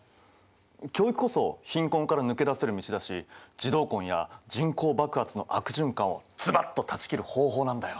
教育こそ貧困から抜け出せる道だし児童婚や人口爆発の悪循環をズバッと断ち切る方法なんだよ。